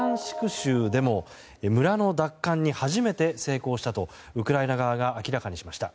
州でも村の奪還に初めて成功したとウクライナ側が明らかにしました。